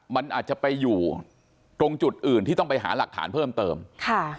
มันอาจจะไปอยู่ตรงจุดอื่นที่ต้องไปหาหลักฐานเพิ่มเติมค่ะ